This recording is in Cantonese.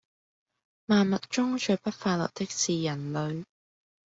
萬物中最不快樂的是人類